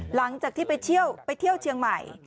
หลังจากที่ไปเที่ยวเชียงใหม่